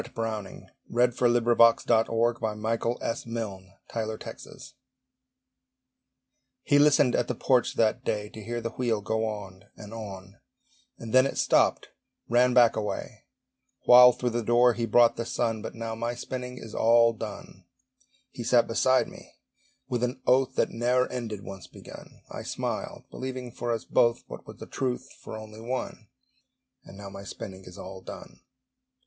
JM Embroideries & Collectibles A Year's Spinning By Elizabeth Barrett Browning He listened at the porch that day, To hear the wheel go on, and on; And then it stopped, ran back away, While through the door he brought the sun: But now my spinning is all done. He sat beside me, with an oath That love ne'er ended, once begun; I smiled, believing for us both, What was the truth for only one: And now my spinning is all done.